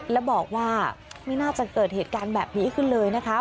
และบอกว่าไม่น่าจะเกิดเหตุการณ์แบบนี้ขึ้นเลยนะคะ